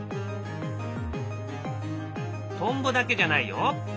トンボだけじゃないよ。